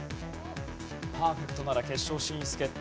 パーフェクトなら決勝進出決定。